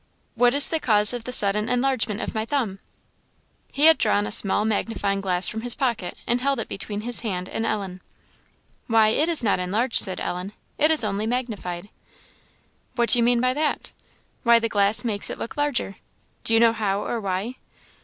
What is the cause of the sudden enlargement of my thumb?" He had drawn a small magnifying glass from his pocket, and held it between his hand and Ellen. "Why, it is not enlarged," said Ellen "it is only magnified." "What do you mean by that?" "Why, the glass makes it look larger." "Do you know how, or why?"